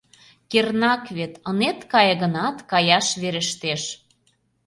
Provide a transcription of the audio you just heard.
«Кернак вет, ынет кае гынат, каяш верештеш.